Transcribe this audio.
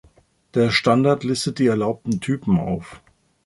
Der Standard listet die erlaubten Typen auf.